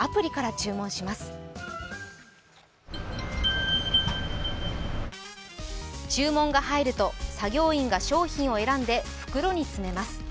注文が入ると作業員が商品を選んで袋に詰めます。